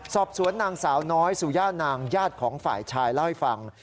สอบสวนนางสาวน้อยสุย่านางญาติของฝ่ายชายเล่าให้ฟัง